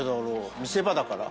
見せ場だから？